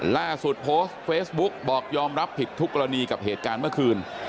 ล่าสุดโพสต์เฟซบุ๊กบอกยอมรับผิดทุกกรณีกับเหตุการณ์เมื่อคืน